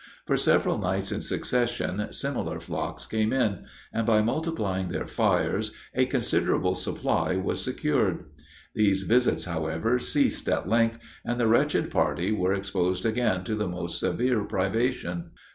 For several nights in succession, similar flocks came in; and, by multiplying their fires, a considerable supply was secured. These visits, however, ceased at length, and the wretched party were exposed again to the most severe privation.